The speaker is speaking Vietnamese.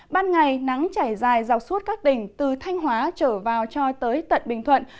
ban ngày nắng chảy dài dọc suốt các tỉnh từ thanh hóa trở vào cho tới tận bình thuận